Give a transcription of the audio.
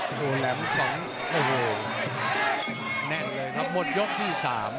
โอ้โหแหลม๒โอ้โหแน่นเลยครับหมดยกที่๓